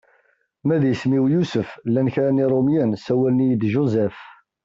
Ma d isem-iw Yusef llan kra n Yirumyen sawalen-iyi-d Joseph.